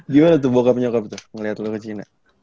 gimana tuh bokap nyokap tuh ngelihat lu ke china